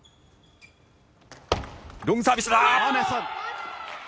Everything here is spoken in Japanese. ロングサービスだ！